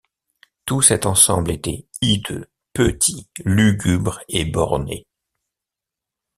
Tout cet ensemble était hideux, petit, lugubre et borné.